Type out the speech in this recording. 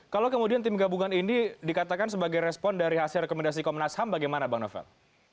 kalau kemudian tim gabungan ini dikatakan sebagai respon dari hasil rekomendasi komnas ham bagaimana bang novel